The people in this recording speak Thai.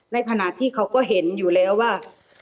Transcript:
ในขณะที่เขาก็เห็นอยู่แล้วว่า